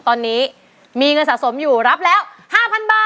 ตอนนี้มีเงินที่สะสมอยู่รับแล้วห้าพันบาท